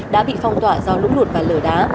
đã bị phong tỏa do lũ lụt và lửa đá